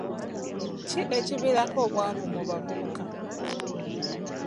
Ki ekiviirako obwavu mu bavubuka?